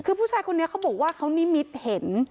คือผู้ชายคนนี้เขาบอกว่าเขานิมิตเห็น